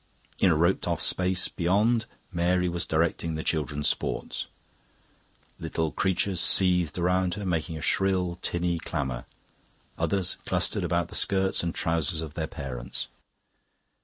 In a roped off space beyond, Mary was directing the children's sports. Little creatures seethed round about her, making a shrill, tinny clamour; others clustered about the skirts and trousers of their parents.